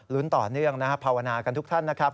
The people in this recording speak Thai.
ลุ้นต่อเนื่องภาวนากันทุกท่านนะครับ